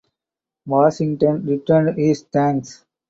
Washington returned his thanks.